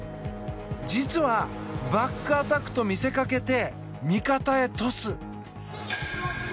実はバックアタックと見せかけて味方へ、トス。